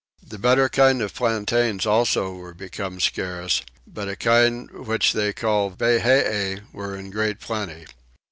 The better kind of plantains also were become scarce; but a kind which they call vayhee were in great plenty.